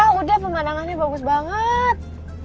wah udah pemandangannya bagus banget